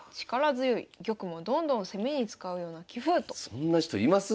そんな人います？